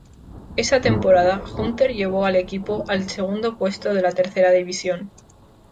Esa temporada, Hunter llevó al equipo al segundo puesto de la Tercera División.